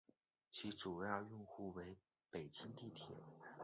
其主要用户为北京地铁。